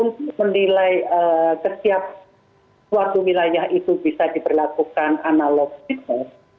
untuk menilai setiap suatu wilayah itu bisa diberlakukan analog kita